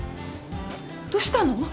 どどうしたの？